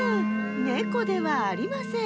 ネコではありません。